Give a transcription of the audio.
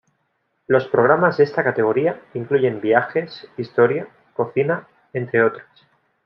Los programas de esta categoría incluyen viajes, historia, cocina, entre otros.